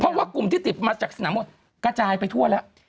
เพราะว่ากลุ่มที่ติดมาจากสนามมวยกระจายไปทั่วแล้ว